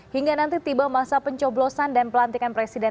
hingga nanti tiba masa pencoblosan dan pelantikan presiden